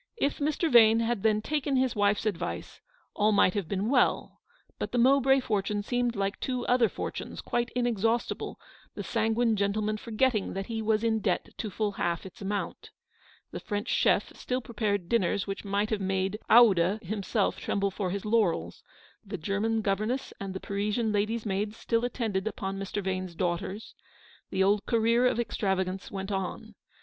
If Mr. Vane had then taken his wife's advice, all might have been well ; but the Mowbray for tune seemed like the two other fortunes, quite in exhaustible, the sanguine gentleman forgetting that he was in debt to full half its amount. The French chef still prepared dinners which might have made Oude himself tremble for his laurels; the German governess and the Parisian lady's maids still attended upon Mr. Vane's daughters ; the old career of extravagance went on.